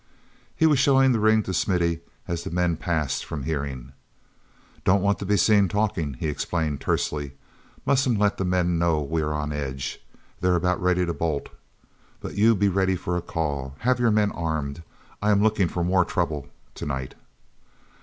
He was showing the ring to Smithy as the men passed from hearing. "Don't want to be seen talking," he explained tersely. "Mustn't let the men know we are on edge—they're about ready to bolt. But you be ready for a call. Have your men armed. I am looking for more trouble to night."